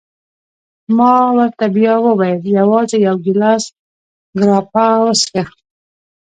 ما ورته بیا وویل: یوازي یو ګیلاس ګراپا وڅېښه.